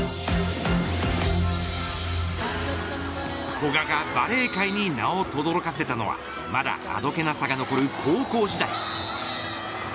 古賀がバレー界に名をとどろかせたのはまだあどけなさが残る高校時代。